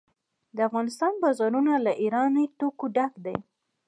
د افغانستان بازارونه له ایراني توکو ډک دي.